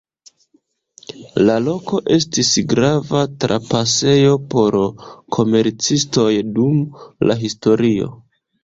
La loko estis grava trapasejo por komercistoj dum la historio.